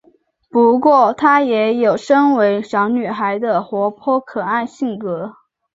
不过她也有身为小女孩的活泼可爱性格。